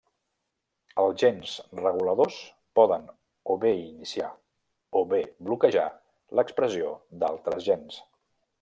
Els gens reguladors poden o bé iniciar o bé bloquejar l'expressió d'altres gens.